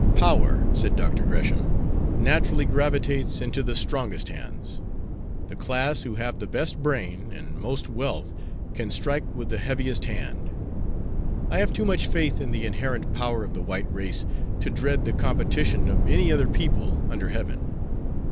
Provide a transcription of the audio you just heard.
"Power," said Dr. Gresham, "naturally gravitates into the strongest hands. The class who have the best brain and most wealth can strike with the heaviest hand. I have too much faith in the inherent power of the white race to dread the competition of any other people under heaven."